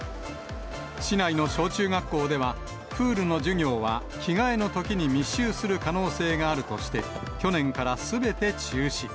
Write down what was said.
市内の小中学校では、プールの授業は着替えのときに密集する可能性があるとして、去年からすべて中止。